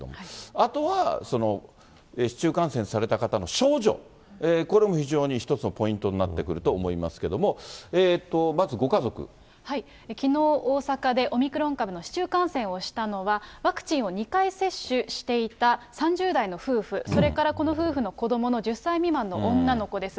あとは、市中感染された方の症状、これも非常に１つのポイントになってくると思いますけども、まずきのう、大阪でオミクロン株の市中感染をしたのは、ワクチンを２回接種していた３０代の夫婦、それからこの夫婦の子どもの１０歳未満の女の子です。